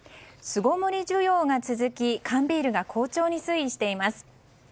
巣ごもり需要が続き缶ビールが好調に推移しています。